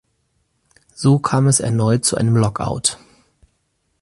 So kam es erneut zu einem Lockout.